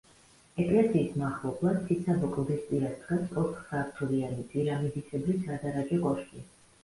ეკლესიის მახლობლად, ციცაბო კლდის პირას დგას ოთხსართულიანი, პირამიდისებრი სადარაჯო კოშკი.